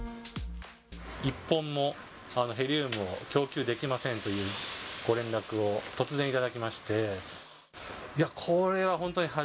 一本もヘリウムを供給できませんというご連絡を突然いただきまして。